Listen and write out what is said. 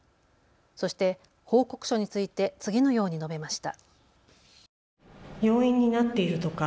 そして報告書について次のように述べました。